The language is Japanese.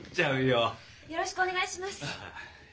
よろしくお願いします。